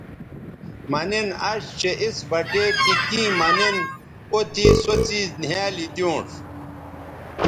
مہ نِن اش چہء اِس بٹے تی کیں مہ نِن او تے سو څیز نِھیالی دیونݜ